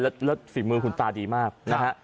แล้วฝีมือคุณตาดีมากนะฮะ